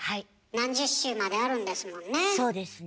何十週まであるんですもんね。